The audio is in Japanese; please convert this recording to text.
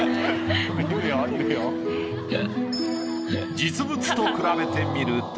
実物と比べてみると。